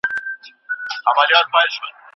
ښه څېړونکی کولای سي له نېغي کرښي وتل کنټرول کړي.